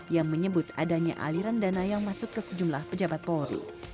yang menyebut adanya aliran dana yang masuk ke sejumlah pejabat polri